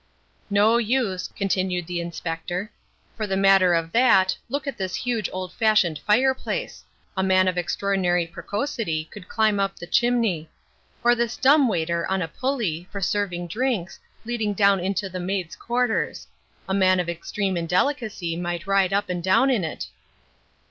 "No use," continued the Inspector. "For the matter of that, look at this huge old fashioned fireplace. A man of extraordinary precocity could climb up the chimney. Or this dumb waiter on a pulley, for serving drinks, leading down into the maids' quarters. A man of extreme indelicacy might ride up and down in it."